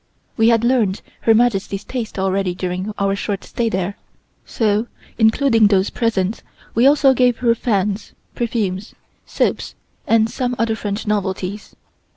We had learned Her Majesty's taste already during our short stay there, so including those presents we also gave her fans, perfumes, soaps and some other French novelties.